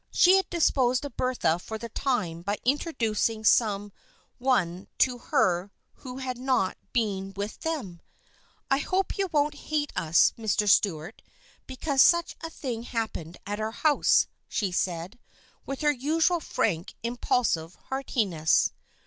She had disposed of Bertha for the time by introducing some one to her who had not been with them. " I hope you won't hate us, Mr. Stuart, because such a thing happened at our house," she said, with her usual frank, impulsive heartiness.